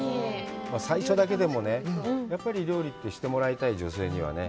最初だけでもね、やっぱり料理って、してもらいたい、女性にはね。